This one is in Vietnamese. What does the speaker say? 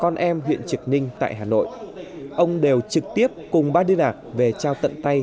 hội đồng hương huyện trực ninh tại hà nội ông đều trực tiếp cùng ba đi nạc về trao tận tay